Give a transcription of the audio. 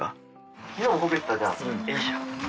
よいしょ。